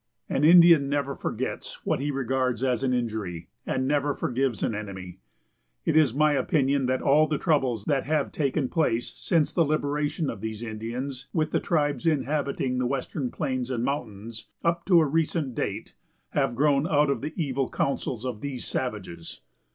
An Indian never forgets what he regards as an injury, and never forgives an enemy. It is my opinion that all the troubles that have taken place since the liberation of these Indians, with the tribes inhabiting the western plains and mountains, up to a recent date, have grown out of the evil counsels of these savages.